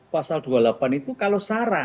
pasal dua puluh delapan itu kalau sara